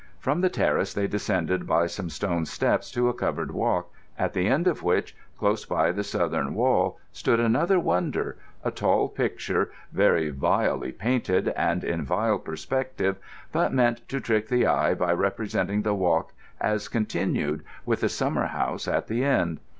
From the terrace they descended by some stone steps to a covered walk, at the end of which, close by the southern wall, stood another wonder—a tall picture, very vilely painted and in vile perspective, but meant to trick the eye by representing the walk as continued, with a summer house at the end.